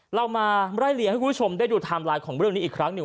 เรามาไล่เลี่ยงให้คุณผู้ชมได้ดูไทม์ไลน์ของเรื่องนี้อีกครั้งหนึ่ง